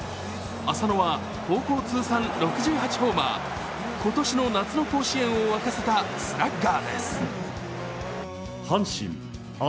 浅野は高校通算６８ホーマー、今年の夏の甲子園を沸かせたスラッガーです。